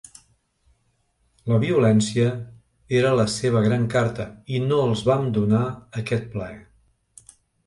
La violència era la seva gran carta i no els vam donar aquest plaer.